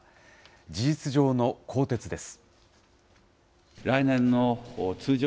事実上の更迭です。